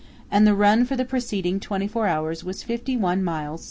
and the run for the preceding twenty four hours was 51 miles S.